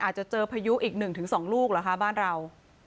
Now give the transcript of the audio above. อาจจะเจอพายุอีก๑๒ลูกเหรอคะบ้านเรา